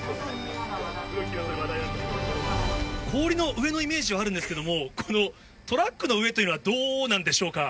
氷の上のイメージはあるんですけど、このトラックの上というのはどうなんでしょうか？